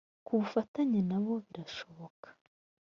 ku bufatanye nabo birashoboka